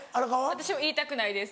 私も言いたくないです。